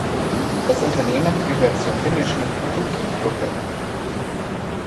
Das Unternehmen gehört zur finnischen "Ruukki-Gruppe".